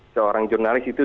seorang jurnalis itu